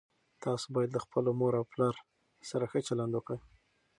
تاسو باید له خپلو مور او پلار سره ښه چلند وکړئ.